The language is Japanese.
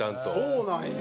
そうなんや。